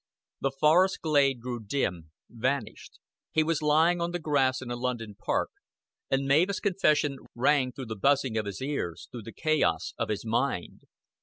The forest glade grew dim, vanished. He was lying on the grass in a London park, and Mavis' confession rang through the buzzing of his ears, through the chaos of his mind.